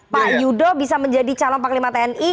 pak yudho bisa menjadi calon paklima tni